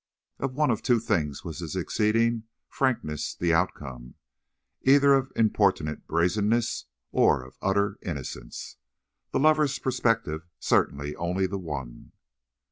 Of one of two things was this exceeding frankness the outcome: either of importunate brazenness or of utter innocence. The lover's perspective contained only the one.